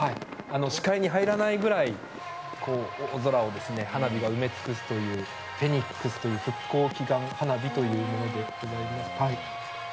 視界に入らないぐらい大空を花火が埋め尽くすというフェニックスという復興祈願花火です。